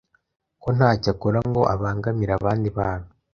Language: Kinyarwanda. ko ntacyo akora ngo abangamire abandi bantu.